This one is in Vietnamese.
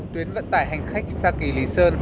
tuyến vận tải hành khách sa kỳ lý sơn